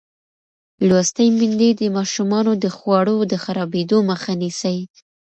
لوستې میندې د ماشومانو د خوړو د خرابېدو مخه نیسي.